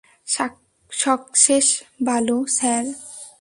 Success বালু, sir.